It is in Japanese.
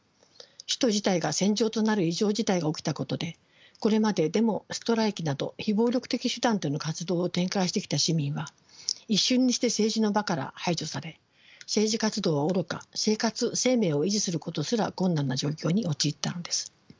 首都自体が戦場となる異常事態が起きたことでこれまでデモ・ストライキなど非暴力的手段での活動を展開してきた市民は一瞬にして政治の場から排除され政治活動はおろか生活・生命を維持することすら困難な状況に陥ったのです。